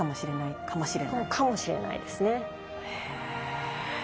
かもしれないですね。へ。